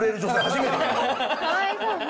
かわいそう。